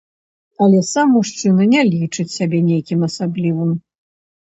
Але сам мужчына не лічыць сябе нейкім асаблівым.